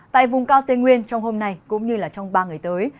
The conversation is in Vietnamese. tại vùng cao tây nguyên trong hôm nay cũng như trong ba ngày tới